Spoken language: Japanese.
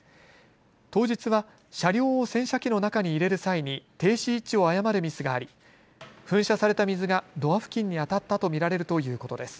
当日は車両を洗車機の中に入れる際に停止位置を誤るミスがあり噴射された水がドア付近に当たったと見られるということです。